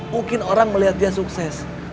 mungkin orang melihat dia sukses